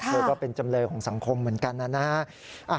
ก็เป็นจำเลยของสังคมเหมือนกันนะฮะ